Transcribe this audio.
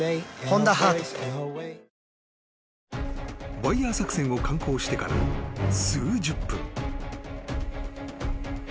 ［ワイヤ作戦を敢行してから数十分］